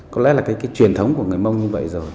có lẽ là cái truyền thống của người mông như vậy rồi